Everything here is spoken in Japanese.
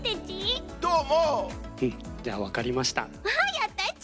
やったち！